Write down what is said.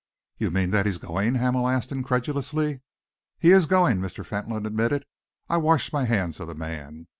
"You mean that he is going?" Hamel asked incredulously. "He is going," Mr. Fentolin admitted. "I wash my hands of the man.